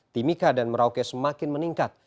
timika dan merauke semakin meningkat